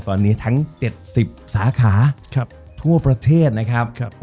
ตอนนี้ทั้ง๗๐สาขาทั่วประเทศนะครับ